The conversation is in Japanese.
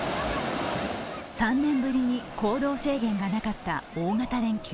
３年ぶりに行動制限がなかった大型連休。